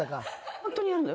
ホントにやるの？